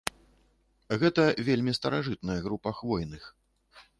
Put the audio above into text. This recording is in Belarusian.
Гэта вельмі старажытная група хвойных.